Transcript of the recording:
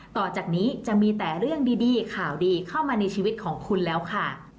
ต่อจากนี้จะมีแต่เรื่องดีข่าวดีเข้ามาในชีวิตของคุณแล้วค่ะ